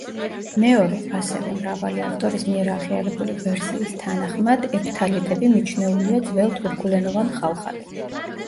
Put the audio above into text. მეორე, ასევე, მრავალი ავტორის მიერ აღიარებული ვერსიის თანახმად, ეფთალიტები მიჩნეულია ძველ თურქულენოვან ხალხად.